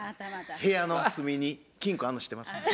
部屋の隅に金庫あんの知ってます。